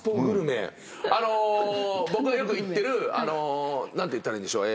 あの僕がよく行ってる何て言ったらいいんでしょう